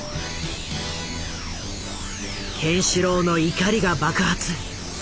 ケンシロウの怒りが爆発。